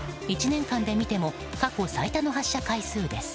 １年間で見ても過去最多の発射回数です。